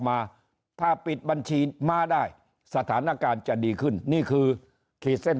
มาถ้าปิดบัญชีม้าได้สถานการณ์จะดีขึ้นนี่คือขีดเส้น